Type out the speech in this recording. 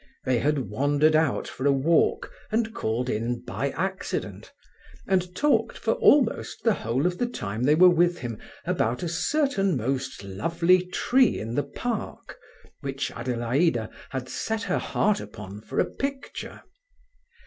They had wandered out for a walk, and called in "by accident," and talked for almost the whole of the time they were with him about a certain most lovely tree in the park, which Adelaida had set her heart upon for a picture.